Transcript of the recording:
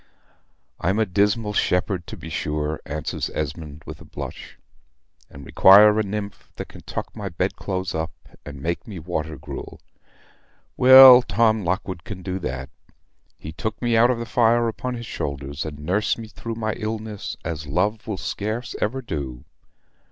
"I'm a dismal shepherd, to be sure," answers Esmond, with a blush; "and require a nymph that can tuck my bed clothes up, and make me water gruel. Well, Tom Lockwood can do that. He took me out of the fire upon his shoulders, and nursed me through my illness as love will scarce ever do.